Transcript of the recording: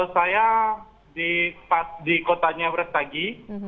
saya di kotanya brastagi